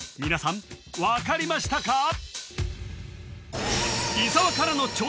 皆さん分かりましたか？